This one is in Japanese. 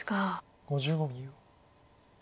５５秒。